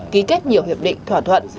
ký kết nhiều hiệp định thỏa thuận